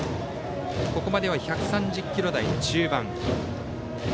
ここまでは１３０キロ台中盤。